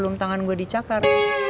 belum tangan gue dicakar